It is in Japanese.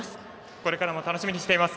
これからも楽しみにしています。